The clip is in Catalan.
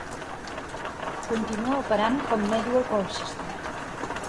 Continua operant com Network Colchester.